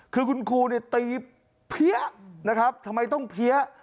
คุณครูตีเผี้ยทำไมต้องเผี้ย